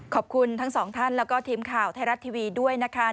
ขอบคุณทั้งสองท่านแล้วก็ทีมข่าวไทยรัฐทีวีด้วยนะคะ